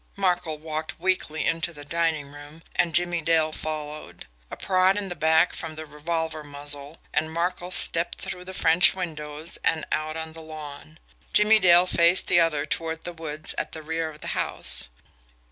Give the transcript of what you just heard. Markel walked weakly into the dining room, and Jimmie Dale followed. A prod in the back from the revolver muzzle, and Markel stepped through the French windows and out on the lawn. Jimmie Dale faced the other toward the woods at the rear of the house.